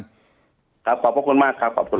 ครับขอบคุณมากครับขอบคุณมาก